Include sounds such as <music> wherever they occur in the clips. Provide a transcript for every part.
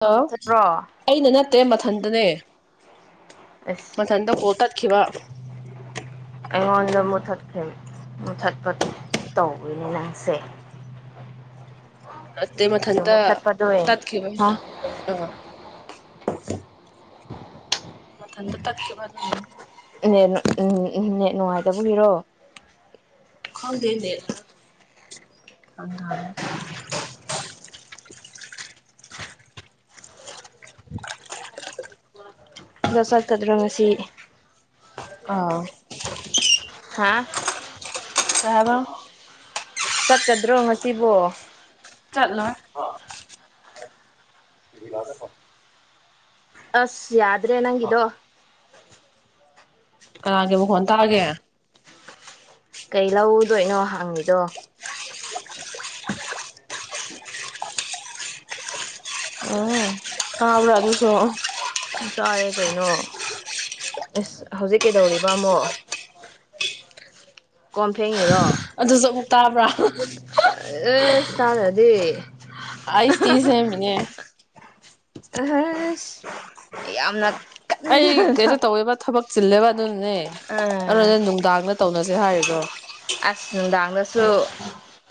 ꯅ ꯍꯂꯣ ꯃꯨꯠꯊꯠꯄ꯭ꯔꯣ ꯑꯩꯅ ꯅꯠꯇꯦ ꯃꯊꯟ ꯑꯗꯨꯅꯦ ꯑꯦꯁ ꯑꯩꯉꯣꯟꯗ ꯃꯨꯊꯠꯈ꯭ꯔꯦ ꯃꯨꯊꯠꯄ ꯇꯧꯕꯣꯏꯅꯦ ꯅꯪꯁꯦ ꯅꯠꯇꯦ ꯌꯦꯡ ꯃꯊꯟꯇ ꯃꯨꯠꯊꯠꯄꯗꯣ ꯇꯠ ꯈꯤꯕꯩ ꯍꯥ ꯑꯥ <unintelligible> ꯃꯊꯟꯗ ꯇꯥꯠꯀꯤꯕ ꯑꯗꯨꯅꯅꯤ ꯅꯦꯠ ꯅꯦꯠ ꯅꯨꯡꯉꯥꯏꯇꯕꯒꯤꯔꯣ ꯈꯪꯗꯦꯅꯦ ꯒ꯭ꯌꯥꯟ ꯇꯥꯗꯦ ꯗꯥ ꯆꯠꯀꯥꯗ꯭ꯔ ꯉꯥꯁꯤ ꯑꯥ ꯑꯥ <inaudible> ꯆꯥꯍꯩꯕꯝ <unintelligible> ꯆꯠꯀꯗ꯭ꯔꯣ ꯉꯥꯁꯤꯕꯣ ꯆꯠꯂꯣꯢ ꯗꯨꯢꯂꯥ ꯗꯐꯥ <unintelligible> ꯑꯁ ꯌꯥꯗ꯭ꯔꯦ ꯅꯪꯒꯤꯗꯣ ꯀꯥꯅꯒꯤ ꯃꯈꯣꯟ ꯇꯥꯒꯦ ꯀꯩ ꯂꯧꯗꯣꯏꯅꯣ ꯍꯪꯉꯤꯗꯣ ꯎꯝ ꯇꯥꯕ꯭ꯔ ꯑꯗꯨꯁꯨ <inaudible> ꯇꯥꯌꯦ ꯀꯩꯅꯣ ꯢꯁ ꯍꯧꯖꯤꯛ ꯀꯩꯗꯧꯔꯤꯕ ꯑꯃꯨꯛ ꯀꯣꯟ ꯐꯦꯡ ꯉꯤꯔꯣ ꯇꯥꯔꯕ꯭ꯔ ꯑꯦ ꯆꯗ꯭ꯔꯥꯗꯤ ꯑꯩꯁ ꯇꯤ ꯑꯍꯥꯍꯥ ꯁꯦꯝꯃꯤꯅꯦ ꯑꯍꯁ ꯌꯥꯝꯅ ꯑꯩ ꯀꯟꯅ ꯀꯩꯩꯅꯣ ꯇꯧꯋꯦꯕ ꯊꯕꯛ ꯆꯤꯜꯂꯦꯕ ꯑꯗꯨꯅꯅꯦ ꯑꯥ ꯑꯗꯨꯅ ꯅꯨꯡꯗꯥꯡꯗ ꯇꯧꯅ ꯖꯦ ꯍꯥꯢꯔꯤꯗꯣ <inaudible> ꯑꯁ ꯅꯨꯡꯗꯥꯡꯅꯁꯨ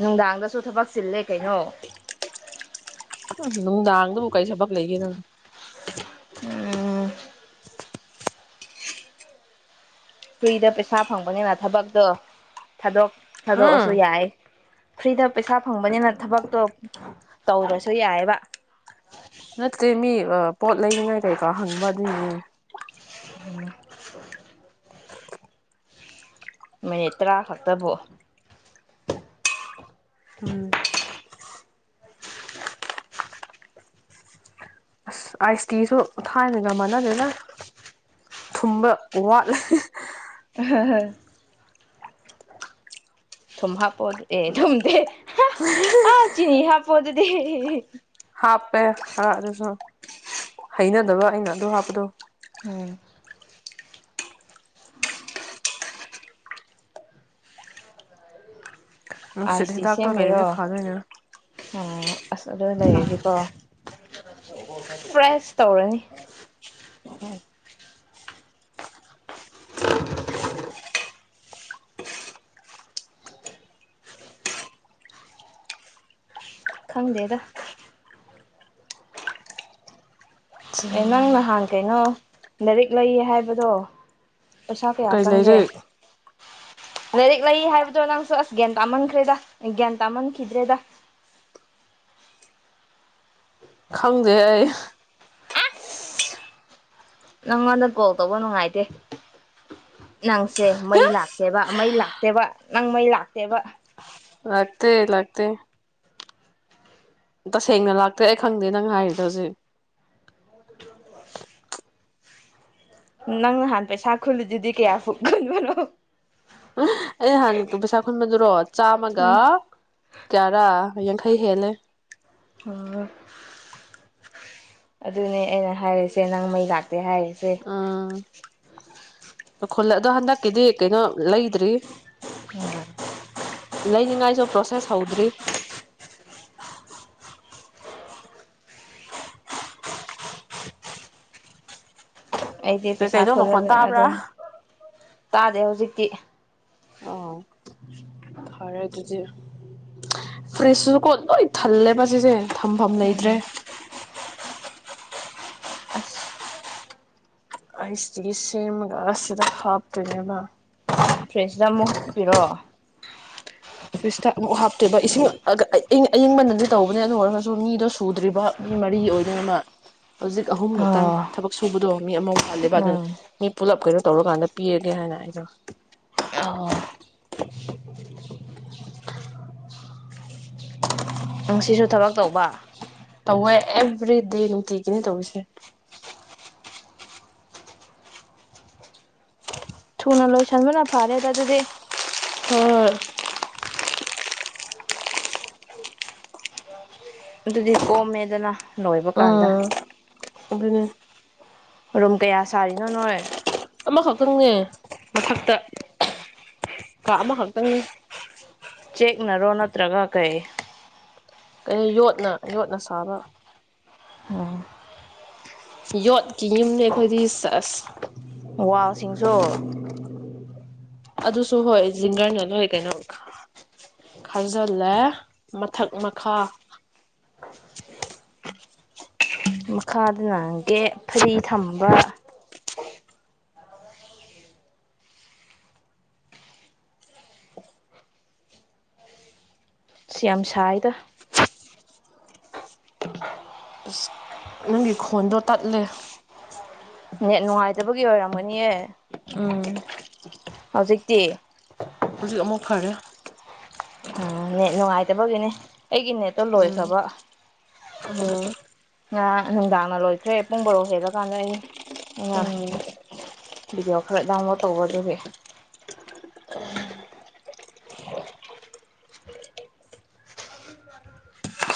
ꯅꯨꯡꯗꯥꯡ ꯗꯁꯨ ꯊꯕꯛ ꯆꯤꯜꯂꯦ ꯀꯩꯅꯣ ꯍꯨ ꯅꯨꯡꯗꯥꯡꯗꯕꯨ ꯀꯔꯤ ꯊꯕꯛ ꯂꯩꯒꯦꯗ ꯅꯪ ꯎꯝ ꯐ꯭ꯔꯤꯗ ꯄꯩꯁꯥ ꯐꯪꯕꯅꯤꯅ ꯊꯕꯛꯇꯣ ꯊꯥꯗꯣꯛ ꯍꯨꯝ ꯊꯥꯗꯣꯛꯑꯁꯨ ꯌꯥꯏ ꯐ꯭ꯔꯤꯗ ꯄꯩꯁꯥ ꯐꯪꯕꯅꯤꯅ ꯊꯕꯛꯇꯣ ꯇꯧꯗ꯭ꯔꯁꯨ ꯌꯥꯢꯌꯦꯕ ꯅꯠꯇꯦ ꯃꯤ ꯑꯥ ꯄꯣꯠ ꯂꯩꯅꯤꯉꯥꯏ ꯀꯩꯀꯥ ꯍꯪꯕ ꯑꯗꯨꯒꯤꯅꯤ ꯎꯝ ꯃꯤꯅꯤꯠ ꯇꯔꯥ ꯈꯛꯇꯕꯨ ꯎꯝ ꯑꯥꯏꯁꯇꯤꯁꯨ ꯊꯥꯏꯅꯒ ꯃꯥꯟꯅꯗꯦꯗ ꯊꯨꯝꯕ ꯋꯥꯠꯂꯦ ꯍꯦꯍꯦ ꯍꯥꯍꯥ ꯊꯨꯝ ꯍꯥꯞꯄꯣ ꯑꯗꯨꯗꯤ ꯊꯨꯝꯗꯦ ꯍꯥ ꯑ ꯆꯤꯟꯅꯤ ꯍꯥꯞꯄꯣ ꯑꯗꯨꯗꯤ ꯍꯤꯍꯤꯍꯤ ꯍꯥꯞꯄꯦ ꯈꯔ ꯑꯗꯨꯁꯨ ꯍꯩꯅꯗꯕ ꯑꯩꯅ ꯑꯗꯨ ꯍꯥꯞꯄꯗꯣ ꯎꯝ ꯅꯨꯡꯁꯤꯠ ꯑꯥꯏꯁꯇꯤ ꯍꯤꯗꯥꯛꯇꯣ ꯂꯩꯔꯗꯤ ꯁꯦꯝꯃꯤꯔꯣ ꯐꯗꯣꯏꯅꯦ ꯎꯝ ꯑꯁ ꯑꯗꯨ ꯂꯩꯔꯗꯤꯀꯣ ꯄ꯭ꯔꯦꯁ ꯇꯧꯔꯅꯤ ꯈꯪꯗꯦꯗ ꯑꯦ ꯅꯪ ꯅꯍꯥꯟ ꯀꯩꯅꯣ ꯂꯥꯏꯔꯤꯛ ꯂꯩꯌꯦ ꯍꯥꯏꯕꯗꯣ ꯄꯩꯁꯥ ꯀꯌꯥ ꯀꯩ ꯂꯩꯔꯤ ꯆꯪꯒꯦ ꯂꯩꯔꯤꯛ ꯂꯩ ꯍꯥꯏꯕꯗꯣ ꯅꯪꯁꯨ ꯑꯁ ꯒ꯭ꯌꯥꯟ ꯇꯥꯃꯟꯈ꯭ꯔꯦꯗ ꯒ꯭ꯌꯥꯟ ꯇꯥꯃꯟꯈꯤꯗ꯭ꯔꯦꯗ ꯈꯪꯗꯦ ꯑꯩ ꯅꯪꯉꯣꯟꯗ ꯀꯣꯜ ꯇꯧꯕ ꯅꯨꯡꯉꯥꯏꯇꯦ ꯅꯪꯁꯦ ꯃꯩ ꯂꯥꯛꯇꯦꯕ ꯃꯩ ꯂꯥꯛꯇꯦꯕ ꯅꯪ ꯃꯩ ꯂꯥꯛꯇꯦꯕ ꯂꯥꯛꯇꯦ ꯂꯥꯛꯇꯦ ꯇꯁꯦꯡꯅ ꯂꯥꯛꯇꯦ ꯑꯩ ꯈꯪꯗꯦ ꯅꯪ ꯍꯥꯏꯔꯤꯗꯣ ꯍꯧꯖꯤꯛ ꯅꯪ ꯉꯍꯥꯟ ꯄꯩꯁꯥ ꯈꯨꯜꯂꯤꯗꯨꯗꯤ ꯀꯌꯥ ꯐꯨ ꯈꯨꯟꯕꯅꯣ ꯑꯩ ꯍꯥꯟ ꯄꯩꯁꯥ ꯈꯨꯟꯕꯗꯨꯔꯣ ꯆꯥꯝꯃꯒ ꯎꯝ ꯀꯌꯥꯔꯥ ꯌꯥꯡꯈꯩ ꯍꯩ ꯍꯦꯜꯂꯦ ꯎꯝ ꯑꯗꯨꯅꯦ ꯑꯩꯅ ꯍꯥꯏꯔꯤꯁꯦ ꯅꯪ ꯃꯩ ꯂꯥꯛꯇꯦ ꯍꯥꯏꯔꯤ ꯑꯥ ꯈꯨꯜꯂ ꯑꯗꯣ ꯍꯟꯗꯛꯀꯤꯗꯤ ꯀꯩꯅꯣ ꯂꯩꯗ꯭ꯔꯤ ꯑ ꯂꯩꯅꯤꯡꯉꯥꯏꯁꯨ ꯄ꯭ꯔꯣꯁꯦꯁ ꯍꯧꯗ꯭ꯔꯤ ꯑꯩꯗꯤ ꯀꯩ ꯄꯩꯁꯥ ꯀꯩꯅꯣ ꯃꯈꯣꯟ ꯈꯨꯜꯂꯝꯅꯤꯅ ꯇꯥꯕ꯭ꯔꯥ ꯑꯗꯨꯝ ꯇꯥꯗꯦ ꯍꯧ ꯖꯤꯛꯇꯤ ꯑꯥꯎ ꯐꯔꯦ ꯗꯨ ꯐ꯭ꯔꯤꯁꯁꯨꯖꯨ ꯀꯣ ꯂꯣꯏ ꯊꯜꯂꯦꯕ ꯁꯤꯖꯦ ꯊꯝꯐꯝ ꯂꯩꯇ꯭ꯔꯦ ꯑꯁ ꯑꯥꯏꯁ ꯇꯤ ꯁꯦꯝꯃꯒ ꯑꯁꯤꯗ ꯍꯥꯞꯇꯣꯏꯅꯦꯕ ꯐ꯭ꯔꯤꯁꯇ ꯑꯃꯨꯛ ꯍꯥꯞꯄꯤꯔꯣ ꯐ꯭ꯔꯤꯁꯇ ꯑꯃꯨꯛ ꯍꯥꯞꯇꯣꯏꯕ ꯏꯁꯤꯡ ꯑ ꯑꯌꯤꯡ ꯑꯌꯤꯡ ꯕꯅꯗꯤ ꯇꯧꯕꯅꯦ ꯑꯗꯨ ꯑꯣꯏꯔꯒꯖꯨ ꯃꯤꯗꯣ ꯁꯨꯗ꯭ꯔꯤꯕ ꯃꯤ ꯃꯔꯤꯒꯤ ꯑꯣꯏꯗꯣꯏꯅꯦꯕ ꯍꯧꯖꯤꯛ ꯑꯍꯨꯝ ꯈꯛꯇꯪ ꯑꯣ ꯊꯕꯛ ꯁꯨꯕꯗꯣ ꯃꯤ ꯑꯃ ꯋꯥꯜꯂꯦꯕ ꯑꯗꯨꯅ ꯎꯝ ꯃꯤ ꯄꯨꯂꯞ ꯀꯩꯅꯣ ꯇꯧꯔꯀꯥꯟꯗ ꯄꯤꯔꯒꯦ ꯍꯥꯏꯅ ꯑꯩꯗꯣ <unintelligible> <inaudible> <inaudible> ꯉꯁꯤꯁꯨ ꯊꯕꯛ ꯇꯧꯕ ꯇꯧꯋꯦ ꯑꯦꯚ꯭ꯔꯤꯗꯦ ꯅꯨꯡꯇꯤꯒꯤꯅꯦ ꯇꯧꯔꯤꯁꯦ ꯊꯨꯅ ꯂꯣꯏꯁꯟꯕꯅ ꯐꯔꯦꯗ ꯑꯗꯨꯗꯤ ꯍꯣꯏ ꯍꯣꯏ ꯑꯗꯨꯗꯤ ꯀꯣꯝꯃꯦꯗꯅ ꯂꯣꯏꯕ ꯀꯥꯟꯗ ꯑꯗꯨꯅꯤ ꯔꯨꯝ ꯀꯌꯥ ꯁꯥꯔꯤꯅꯣ ꯅꯣꯏ ꯑꯃꯈꯛꯇꯪꯅꯦ ꯃꯊꯛꯇ ꯀꯥ ꯑꯃꯈꯛꯇꯪꯅꯤ ꯆꯦꯛꯅꯔꯣ ꯅꯠ ꯇ꯭ꯔꯒ ꯀꯩ ꯀꯩ ꯌꯣꯠꯅ ꯌꯣꯠꯅ ꯁꯥꯕ ꯌꯣꯠꯀꯤ ꯌꯨꯝꯅꯤ ꯑꯩꯈꯣꯏꯗꯤ ꯁꯦꯁ ꯋꯥꯜꯁꯤꯡꯁꯨ ꯑꯗꯨꯁꯨ ꯍꯣꯏ ꯖꯤꯡꯒꯔꯅ ꯂꯣꯏ ꯀꯩꯅꯣ ꯈꯥꯖꯤꯜꯂꯦ ꯃꯊꯛ ꯃꯈꯥ ꯃꯈꯥꯗꯅ ꯒꯦꯞ ꯐꯔꯤ ꯊꯝꯕ <inaudible> <inaudible> ꯁꯤ ꯌꯥꯝ ꯁꯥꯏꯗ ꯑꯁ ꯅꯪꯒꯤ ꯈꯣꯟꯗꯣ ꯇꯠꯂꯦ ꯅꯦꯠ ꯅꯨꯡꯉꯥꯏꯇꯕꯒꯤ ꯑꯣꯏꯔꯝꯒꯅꯤꯌꯦ ꯎꯝ ꯍꯧꯖꯤꯛꯇꯤ ꯍꯧꯖꯤꯛ ꯑꯃꯨꯛ ꯐꯔꯦ ꯎꯝ ꯅꯦꯠ ꯅꯨꯡꯉꯥꯏꯇꯕꯒꯤꯅꯦ ꯑꯩꯒꯤ ꯅꯦꯠꯇꯣ ꯎꯝ ꯂꯣꯏꯈ꯭ꯔꯕ ꯉꯔꯥꯡ ꯅꯨꯡꯗꯥꯡꯅ ꯂꯣꯏꯈ꯭ꯔꯦ ꯄꯨꯡ ꯕꯥꯔꯣ ꯍꯦꯜꯂ ꯀꯥꯟꯗ ꯑꯩ ꯎꯝ ꯕꯤꯗꯤꯌꯣ ꯀꯂꯤꯞ ꯗꯥꯎꯟꯂꯣꯡ ꯇꯧꯕ ꯑꯗꯨꯒꯤ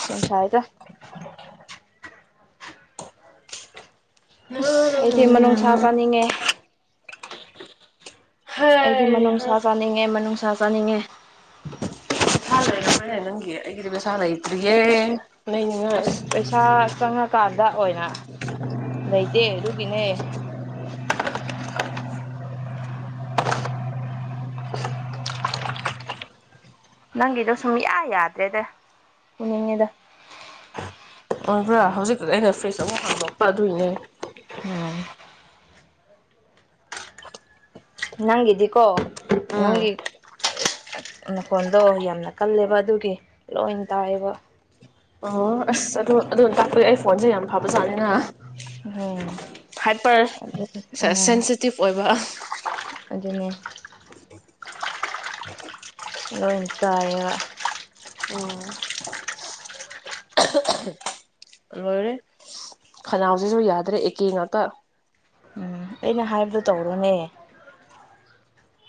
ꯌꯥꯝ ꯁꯥꯏꯗ ꯑꯁ ꯑꯩꯗꯤ ꯃꯅꯨꯡꯁꯥ ꯎꯝ ꯆꯥꯅꯤꯡꯉꯦ ꯑꯩꯗꯤ ꯍꯩ ꯍꯥ ꯃꯅꯨꯡꯁꯥ ꯆꯥꯅꯤꯡꯉꯦ ꯃꯅꯨꯡꯁꯥ ꯆꯥꯅꯤꯡꯉꯦ ꯄꯩꯁꯥ ꯂꯩꯈ꯭ꯔꯦꯅꯦ ꯅꯪꯒꯤ ꯑꯩꯒꯤꯗꯤ ꯄꯩꯁꯥ ꯂꯩꯇ꯭ꯔꯤ ꯌꯦ ꯂꯩꯅꯤꯡꯉꯥꯏ ꯄꯩꯁꯥ ꯆꯪꯉꯀꯥꯟꯗ ꯑꯣꯏꯅ ꯂꯩꯇꯦ ꯑꯗꯨ <unintelligible> ꯅꯪꯒꯤꯗꯣ ꯁꯨꯡꯌꯥ ꯌꯥꯗ꯭ꯔꯦꯗ ꯐꯨꯅꯤꯡꯉꯦꯗ ꯑꯣꯏꯕ꯭ꯔꯥ ꯍꯧꯖꯤꯛ ꯑꯩꯅ ꯐ꯭ꯔꯤꯖ ꯑꯃꯨꯛ ꯍꯥꯡꯗꯣꯛꯄ ꯑꯗꯨꯏꯅꯦ ꯎꯝ ꯅꯪꯒꯤꯗꯤꯀꯣ ꯎꯝ ꯅꯪꯒꯤ ꯃꯈꯣꯟꯗꯣ ꯌꯥꯝꯅ ꯀꯜꯂꯦꯕ ꯑꯗꯨꯒꯤ ꯂꯣꯏ ꯇꯥꯏ ꯌꯦꯕ ꯑꯣ ꯑꯁ ꯑꯗꯨ ꯑꯗꯨ ꯇꯥꯛꯄꯗꯤ ꯑꯩ ꯐꯣꯟꯁꯦ ꯌꯥꯝ ꯐꯕꯖꯥꯠꯅꯤꯅ ꯎꯝ ꯍꯥꯏꯄ꯭ꯔ ꯑꯗꯨ ꯁꯦꯁ ꯎꯝ ꯁꯦꯟꯁꯤꯇꯤꯞ ꯑꯣꯏꯕ ꯑꯗꯨꯅꯦ <unintelligible> ꯂꯣꯏꯔꯦ ꯈꯅꯥꯎꯁꯤꯁꯨ ꯌꯥꯗ꯭ꯔꯦ ꯑꯦꯀꯦ ꯉꯥꯛꯇ ꯎꯝ ꯑꯩꯅ ꯍꯥꯏꯕꯗꯣ ꯇꯧꯔꯣꯅꯦ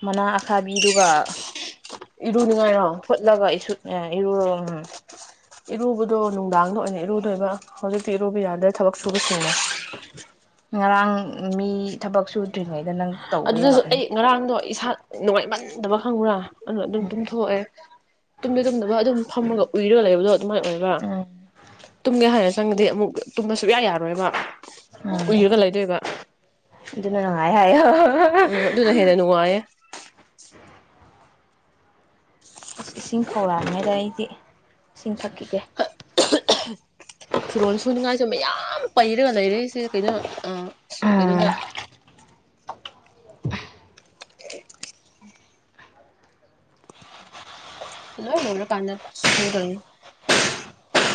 ꯃꯅꯥ ꯑꯈꯥꯕꯤꯗꯨꯒ ꯇꯨꯅꯤꯉꯥꯏꯔꯣ ꯐꯨꯠꯂꯒ <unintelligible> ꯏꯔꯨꯕꯗꯣ ꯅꯨꯡꯗꯥꯡꯗ ꯑꯣꯏꯅ ꯏꯔꯨꯗꯣꯏꯕ ꯍꯧꯖꯤꯛꯇꯤ ꯏꯔꯨꯕ ꯌꯥꯗ꯭ꯔꯦ ꯊꯕꯛ ꯁꯨꯕꯁꯤꯡꯅ ꯉꯔꯥꯡ ꯃꯤ ꯊꯕꯛ ꯁꯨꯗ꯭ꯔꯤꯉꯩꯗ ꯅꯪ ꯇꯧꯕ ꯑꯗꯨꯗꯁꯨ ꯌꯥꯕꯅꯦ ꯑꯩ ꯉꯔꯥꯡꯗꯣ ꯏꯁꯥ ꯅꯨꯡꯉꯥꯏꯃꯟꯗꯕ ꯈꯪꯕ꯭ꯔꯥ ꯑ ꯑꯗꯨꯝ ꯎꯝ ꯇꯨꯝꯊꯣꯛꯑꯦ ꯇꯨꯝꯗꯤ ꯇꯨꯝꯗꯕ ꯑꯗꯨꯝ ꯐꯝꯃꯒ ꯎꯏꯔꯒ ꯂꯩꯕꯗꯣ ꯃꯥꯏ ꯑꯣꯏꯕ ꯎꯝ ꯇꯨꯝꯒꯦ ꯍꯥꯏꯔꯁꯤ ꯆꯪꯉꯗꯤ ꯑꯃꯨꯛ ꯇꯨꯝꯕ ꯁꯨꯛꯌꯥ ꯌꯥꯔꯣꯏꯕ ꯎꯝ ꯎꯏꯔꯒ ꯂꯩꯥꯗꯣꯢꯕ ꯍꯥꯏ ꯍꯥꯏ ꯎꯝ ꯑꯗꯨꯅ ꯍꯦꯟꯅ ꯅꯨꯡꯉꯥꯏꯌꯦ ꯑꯁ ꯏꯁꯤꯡ ꯈꯧꯔꯥꯡꯉꯦꯗ ꯑꯩꯗꯤ ꯏꯁꯤꯡ ꯊꯛꯈꯤꯒꯦ ꯐꯤꯔꯣꯟ ꯁꯨꯅꯤꯡꯉꯥꯏꯁꯨ ꯃꯌꯥꯝ ꯄꯩꯔꯒ ꯂꯩꯔꯦꯁꯦ ꯀꯩꯅꯣ ꯑ ꯀꯩꯅꯣꯗ <inaudible> ꯂꯣꯢ ꯂꯣꯢꯔ ꯀꯥꯟꯗ <unintelligible> <inaudible>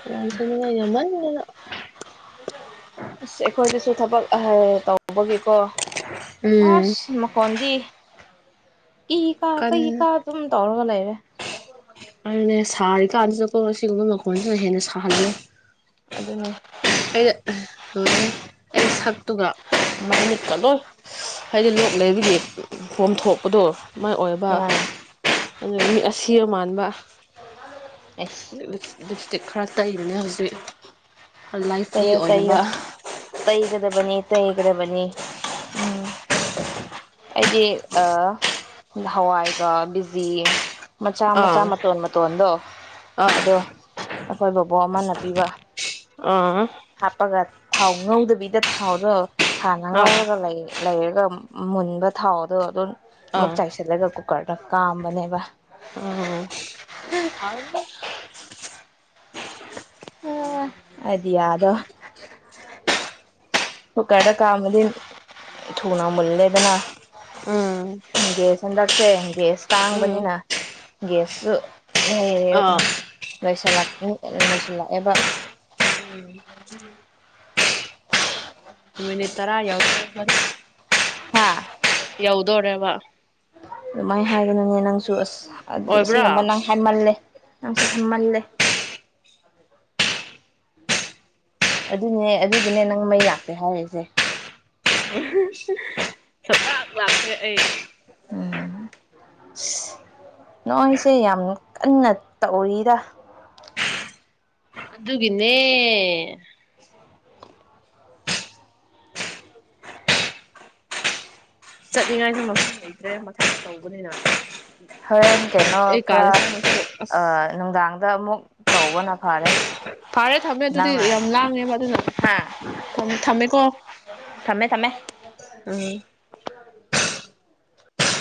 ꯐꯤꯔꯣꯟ ꯁꯨꯅꯤꯡꯉꯥꯢ ꯌꯥꯝꯃꯟꯗꯅ ꯑꯩꯈꯣꯏꯗꯁꯨ ꯊꯕꯛ ꯑꯍꯩ ꯇꯧꯕꯒꯤ ꯀꯣ ꯎꯝ ꯑꯁ ꯃꯈꯣꯟꯗꯤ ꯏ ꯀꯥ ꯄꯩ ꯀꯥ ꯀꯟꯅ ꯑꯗꯨꯝ ꯇꯧꯔ ꯐꯣꯟ ꯂꯩꯔꯦ ꯑꯗꯨꯅꯦ ꯁꯥꯔꯤꯀꯥꯟꯁꯤꯗꯀꯣ ꯁꯤꯒꯨꯝꯕ ꯃꯈꯣꯟꯁꯤꯅ ꯍꯦꯟꯅ ꯁꯥꯍꯜꯂꯦ ꯑꯗꯨꯅꯤ ꯑꯗꯨꯅꯤ ꯑꯩ <inaudible> ꯁꯛꯇꯨꯒ ꯃꯥꯏꯃꯤꯠꯀꯠꯂꯣꯏ ꯍꯥꯏꯗꯤ ꯂꯣꯛ ꯂꯩꯕꯤꯒꯤ ꯄꯣꯝꯊꯣꯛꯄꯗꯣ ꯃꯥꯏ ꯑꯣꯏꯕ ꯎꯝ ꯑꯗꯨ ꯃꯤ ꯑꯁꯤꯕ ꯃꯥꯟꯕ ꯑꯩꯁ ꯂꯤꯞꯁ꯭ꯇꯤꯛ ꯈꯔ ꯇꯩꯕꯅꯦ ꯍꯧꯖꯤꯛ ꯈꯔ ꯂꯥꯏꯐꯂꯤ ꯇꯩꯌꯣ ꯇꯩꯌꯣ ꯑꯣꯏꯅꯕ ꯇꯩꯒꯗꯕꯅꯤ ꯇꯩꯒꯗꯕꯅꯤ ꯑꯩꯗꯤ ꯑ ꯅꯍꯥꯋꯥꯏꯒ ꯕꯤꯖꯤ ꯃꯆꯥ ꯑꯥ ꯃꯆꯥ ꯃꯇꯣꯟ ꯃꯇꯣꯟꯗꯣ ꯑꯥ ꯑꯗꯣ ꯑꯩꯈꯣꯏ ꯕꯣꯕꯣꯛ ꯑꯃꯅ ꯄꯤꯕ ꯑꯥ ꯍꯥꯞꯄꯒ ꯊꯥꯎ ꯉꯧꯗꯕꯤꯗ ꯊꯥꯎꯗꯣ ꯍꯥꯟꯅ ꯑꯥ ꯉꯧꯔꯒ ꯂꯩ ꯂꯩꯔꯒ ꯃꯨꯟꯕ ꯊꯥꯎꯗꯣ ꯑꯗꯨꯝ ꯃꯨꯛ ꯑꯥ ꯆꯥꯁꯜꯂꯒ ꯀꯣ ꯀꯨꯀꯔꯗ ꯀꯥꯝꯕꯅꯦꯕ ꯎꯝ ꯑ ꯑꯗꯤ ꯌꯥꯗꯣ ꯀꯨꯀꯔꯗ ꯀꯥꯝꯝꯕꯗꯤ ꯊꯨꯅ ꯃꯨꯜꯂꯦꯗꯅ ꯎꯝ ꯒ꯭ꯌꯥꯁ ꯍꯟꯗꯛꯁꯦ ꯒ꯭ꯌꯥꯁ ꯎꯝ ꯇꯥꯡꯕꯅꯤꯅ ꯒ꯭ꯌꯥꯁꯁꯨ ꯂꯩꯔꯦ ꯑꯥ ꯂꯩꯁꯜꯂꯛꯅꯤ ꯂꯣꯏꯁꯤꯜꯂꯛꯑꯦꯕ ꯃꯤꯅꯤꯠ ꯇꯔꯥ ꯌꯥꯎ <inaudible> ꯍꯥꯥ ꯌꯧꯗꯣꯔꯦꯕ ꯑꯗꯨꯃꯥꯏꯅ ꯍꯥꯏꯒꯅꯨꯅꯦ ꯅꯪꯁꯨ ꯑꯁ ꯑꯗꯨ ꯑꯣꯏꯕ꯭ꯔꯥ ꯁꯤꯒꯨꯝꯕ ꯅꯪ ꯍꯥꯏꯃꯜꯂꯦ ꯅꯪꯁꯨꯣ ꯍꯥꯏꯃꯜꯂꯦ ꯑꯗꯨꯅꯦ ꯑꯗꯨꯒꯤꯅꯦ ꯅꯪ ꯃꯩ ꯂꯥꯛꯇꯦ ꯍꯥꯏꯔꯛꯏꯁꯦ ꯂꯥꯛꯈ꯭ꯔꯦ ꯑꯩ ꯎꯝ ꯅꯣꯏꯁꯦ ꯌꯥꯝ ꯀꯟꯅ ꯇꯧꯔꯤꯗ ꯑꯗꯨꯒꯤꯅꯦ ꯆꯠꯅꯤꯡꯉꯥꯏꯁꯨ ꯃꯐꯝ ꯂꯩꯇ꯭ꯔꯦ ꯃꯊꯛꯇ ꯇꯧꯕꯅꯤꯅ ꯍꯣꯔꯦꯟ ꯀꯩꯅꯣ ꯑꯩ ꯀꯥꯗ ꯈꯔ ꯆꯪꯉꯁꯨ ꯑꯁ ꯑꯥ ꯅꯨꯡꯗꯥꯡꯗ ꯑꯃꯨꯛ ꯇꯧꯕꯅ ꯐꯔꯦ ꯐꯔꯦ ꯊꯝꯃꯦ ꯑꯗꯨꯗꯤ ꯅꯪꯅ ꯌꯥꯝ ꯂꯥꯡꯉꯦꯕ ꯑꯗꯨꯅ ꯍꯥ ꯊꯝ ꯊꯝꯃꯦꯀꯣ ꯊꯝꯃꯦ ꯊꯝꯃꯦ ꯎꯝ